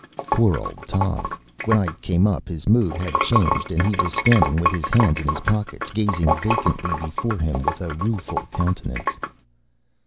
Poor old Tom! when I came up, his mood had changed, and he was standing with his hands in his pockets, gazing vacantly before him with a rueful countenance.